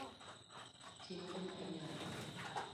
Tim gima inyalo